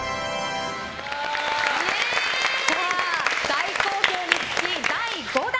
大好評につき第５弾。